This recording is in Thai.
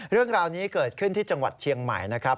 เรื่องราวนี้เกิดขึ้นที่จังหวัดเชียงใหม่นะครับ